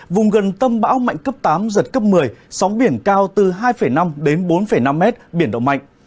vùng gần tâm bão mạnh cấp tám giật cấp một mươi sóng biển cao từ hai năm đến bốn năm mét biển động mạnh